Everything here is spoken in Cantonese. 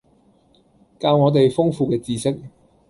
教我哋豐富嘅知識